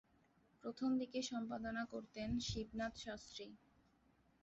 প্রথম দিকে সম্পাদনা করতেন শিবনাথ শাস্ত্রী।